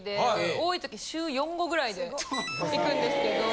多い時週４５ぐらいで行くんですけど。